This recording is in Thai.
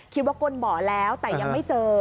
คิดว่ากลบ่อแล้วแต่ยังไม่เจอ